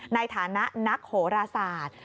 ในฐานะนักโหราศาสตร์